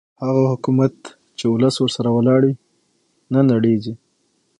هغه حکومت چې ولس ورسره ولاړ وي نه نړېږي